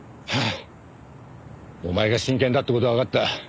お前が真剣だって事はわかった。